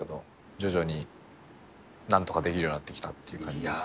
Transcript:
徐々になんとかできるようになってきたっていう感じですね。